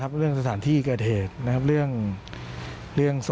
มีอะไรบ้างที่เป็นสำคัญของแค่นี้